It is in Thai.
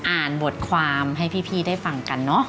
อ่านบทความให้พี่ได้ฟังกันเนอะ